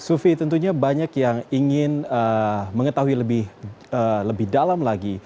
sufi tentunya banyak yang ingin mengetahui lebih dalam lagi